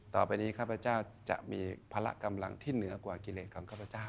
ต่อไปนี้ข้าพเจ้าจะมีพละกำลังที่เหนือกว่ากิเลสของข้าพเจ้า